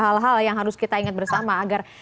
hal hal yang harus kita ingat bersama agar